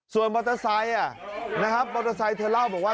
ส่วนบอเตอร์ไซด์บอเตอร์ไซด์เธอเล่าบอกว่า